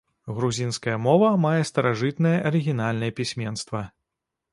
Грузінская мова мае старажытнае арыгінальнае пісьменства.